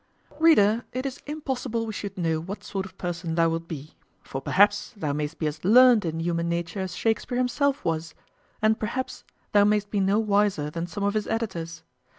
Reader, it is impossible we should know what sort of person thou wilt be; for, perhaps, thou may'st be as learned in human nature as Shakespear himself was, and, perhaps, thou may'st be no wiser than some of his editors.